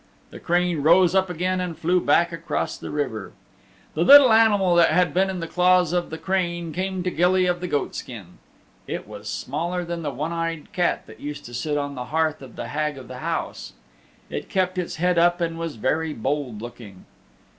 The crane rose up again and flew back across the river. The little animal that had been in the claws of the crane came to Gilly of the Goatskin. It was smaller than the one eyed cat that used to sit on the hearth of the Hag of the House. It kept its head up and was very bold looking.